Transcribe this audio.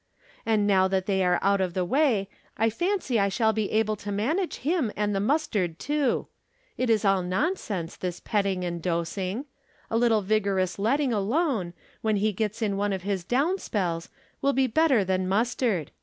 And now that they are out of the way, I fancy I shall be able to manage him and the mustard, too. It is all nonsense, this petting and dosing. A little vigorous let From Different Standpoints. 215 ting alone, when lie gets in one of his down spells, will be better than mustard.